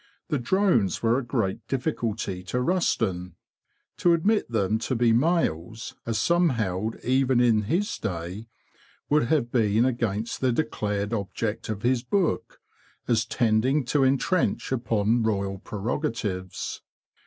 The drones were a great difficulty to Rusden. To admit them to be males—as some held even in his day—would have been against the declared object of his book, as tending to entrench upon royal prerogatives.